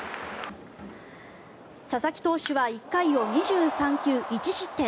佐々木投手は１回を２３球１失点。